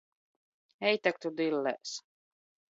Ej tak tu dillēs!